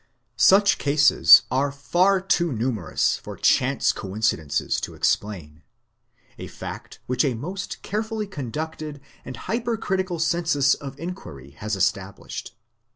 Such cases are far too numerous for chance coincidences to explain a fact which a most carefully conducted and hyper critical census of inquiry has established.